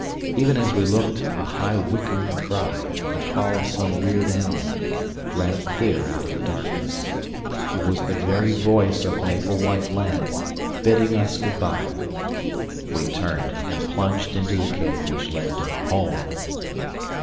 Even as we looked a high whickering cry, the call of some weird animal, rang clear out of the darkness. It was the very voice of Maple White Land bidding us good bye. We turned and plunged into the cave which led to home.